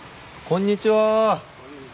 こんにちは。